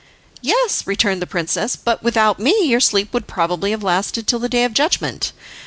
"Yes," returned the princess, "but without me your sleep would probably have lasted till the day of judgment.